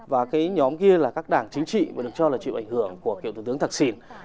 và cái nhóm kia là các đảng chính trị mà được cho là chịu ảnh hưởng của kiểu thủ tướng thạc sìn